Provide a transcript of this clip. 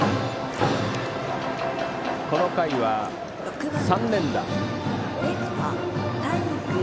この回は３連打。